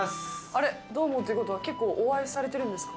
あれ、どうもっていうことは、結構お会いされてるんですか？